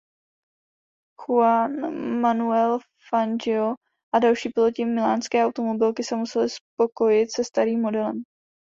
Juan Manuel Fangio a další piloti milánské automobilky se museli spokojit se starým modelem.